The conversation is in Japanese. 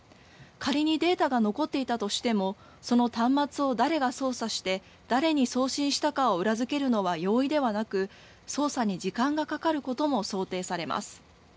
仮にデータが残っていたとしても、その端末を誰が操作して、誰に送信したかを裏付けるのは容易ではなく、捜査に時間がかかることも想定されます。